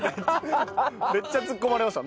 めっちゃツッコまれました。